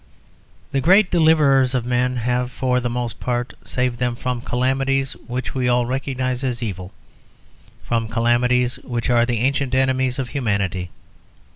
The great deliverers of men have, for the most part, saved them from calamities which we all recognise as evil, from calamities which are the ancient enemies of humanity.